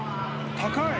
高い！